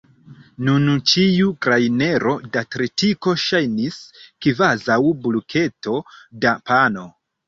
Nun ĉiu grajnero da tritiko ŝajnis kvazaŭ bulketo da pano.